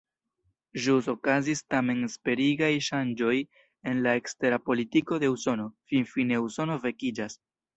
Ĵus okazis tamen esperigaj ŝanĝoj en la ekstera politiko de Usono: finfine Usono vekiĝas.